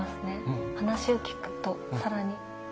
話を聞くと更に。